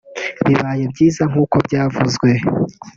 Bibaye byiza nk’uko byavuzwe